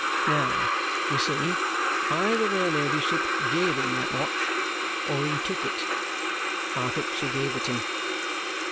Now, you see, either her ladyship gave him that watch or he took it. I think she gave it him.